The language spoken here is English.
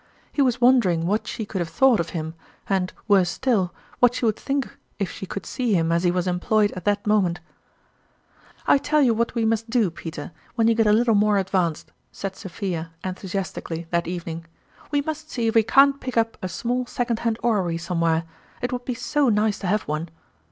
He was wondering what she could have thought of him, and, worse still, wiiat she would think if she could see him as he was employed at that moment ?" I tell you what we must do, Peter when you get a little more advanced," said Sophia, enthusiastically, that evening, " we must see if we can't pick up a small second hand orrery somewhere it would be so nice to have one